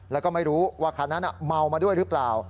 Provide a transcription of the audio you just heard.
แล้วก็ไม่รู้ว่าคันนั้นเมามาด้วยหรือเปล่า